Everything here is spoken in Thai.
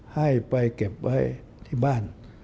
ให้ไปเก็บไว้ที่บ้าน